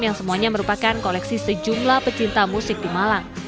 yang semuanya merupakan koleksi sejumlah pecinta musik di malang